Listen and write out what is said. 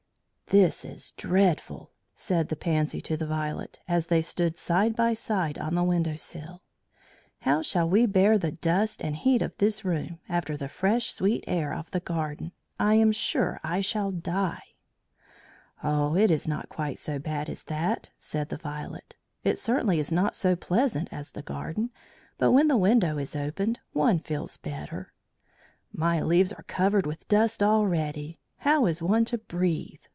"This is dreadful," said the Pansy to the Violet, as they stood side by side on the window sill. "How shall we bear the dust and heat of this room after the fresh sweet air of the garden? I am sure I shall die." "Oh! it is not quite so bad as that," said the Violet. "It certainly is not so pleasant as the garden, but when the window is opened one feels better." "My leaves are covered with dust already. How is one to breathe?"